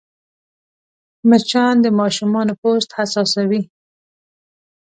مچان د ماشومانو پوست حساسوې